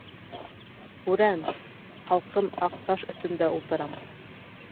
...Күрәм, һалҡын аҡ таш өҫтөндә ултырам.